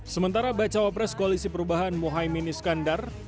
sementara bacawa pres koalisi perubahan mohaimin iskandar